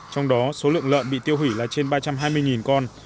trong đó số lượng lợn bị tiêu hủy là trên ba trăm hai mươi con